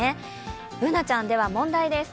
Ｂｏｏｎａちゃん、では問題です。